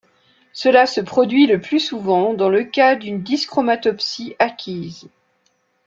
Cela se produit le plus souvent dans le cas d’une dyschromatopsie acquise.